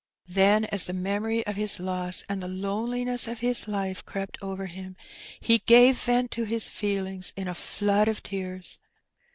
Then, as the memory of his loss and the loneliness of his life crept over him, he gave vent to his feelings in a flood of tears.